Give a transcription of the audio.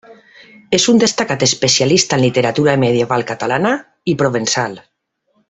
És un destacat especialista en literatura medieval catalana i provençal.